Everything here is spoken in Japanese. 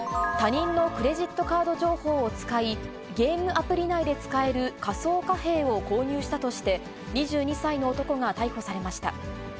他人のクレジットカード情報を使い、ゲームアプリ内で使える仮想貨幣を購入したとして、２２歳の男が逮捕されました。